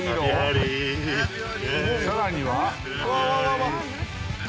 「さらには」